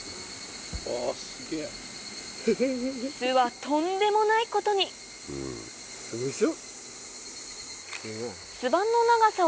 巣はとんでもないことにすごいでしょ？